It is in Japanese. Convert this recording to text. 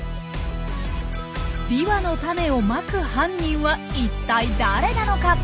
ビワの種をまく犯人は一体誰なのか？